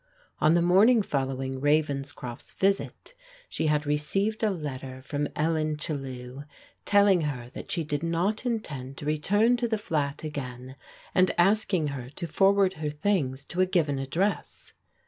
On the morning following Ravcnscroft's visit she had received a letter from EDen Chellew telling her that she did not intend to return to die flat again, and asking her to forward her things to a given address.